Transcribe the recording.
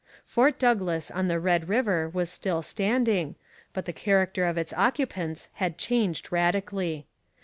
Fort Douglas on the Red River was still standing, but the character of its occupants had changed radically.